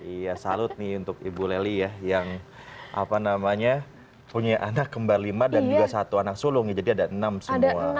iya salut nih untuk ibu leli ya yang apa namanya punya anak kembar lima dan juga satu anak sulung jadi ada enam semua